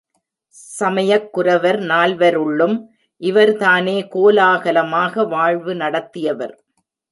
சமயக் குரவர் நால்வருள்ளும் இவர்தானே கோலாகலமாக வாழ்வு நடத்தியவர்.